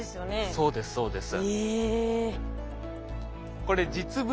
そうですそうです。えっ。